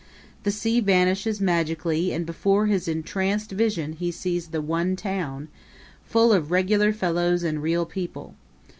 The sea vanishes magically and before his entranced vision he sees The One Town, full of regular fellows and real people.